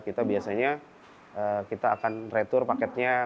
kita biasanya kita akan retur paketnya